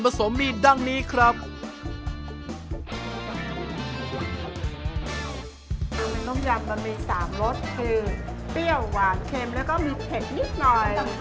เปรี้ยวหวานเค็มแล้วก็มีเผ็ดนิดหน่อย